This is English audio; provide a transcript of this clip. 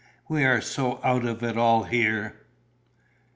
"We are so out of it all here."